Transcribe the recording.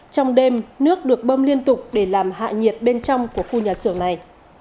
trong đêm nước được bơm liên tục để làm hạ nhiệt bên trong của khu nhà xưởng này